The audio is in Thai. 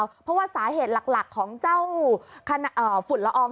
เพราะว่าสาเหตุหลักของเจ้าฝุ่นละออง